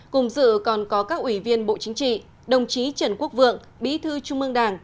cùng dự còn có các ủy viên bộ chính trị đồng chí trần quốc vượng bí thư trung mương đảng